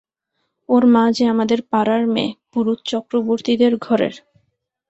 ওর মা যে আমাদের পাড়ার মেয়ে, পুরুত চক্রবর্তীদের ঘরের।